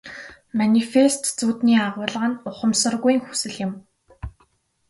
Манифест зүүдний агуулга нь ухамсаргүйн хүсэл юм.